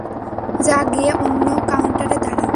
যা, গিয়ে অন্য কাউন্টারে দাঁড়া।